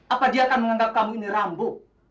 apa dia akan menganggap kamu ini rambu